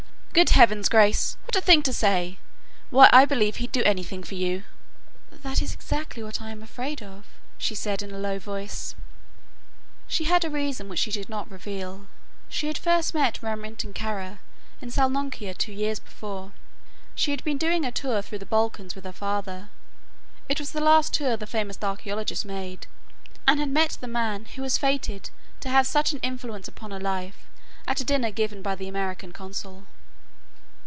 "Good heavens, Grace, what a thing to say! Why I believe he'd do anything for you." "That is exactly what I am afraid of," she said in a low voice. She had a reason which she did not reveal. She had first met Remington Kara in Salonika two years before. She had been doing a tour through the Balkans with her father it was the last tour the famous archeologist made and had met the man who was fated to have such an influence upon her life at a dinner given by the American Consul.